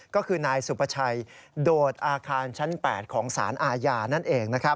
ก็คือนายสุภาชัยโดดอาคารชั้น๘ของสารอาญานั่นเอง